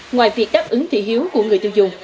ngoài việc đáp ứng thị hiếu của người tiêu dùng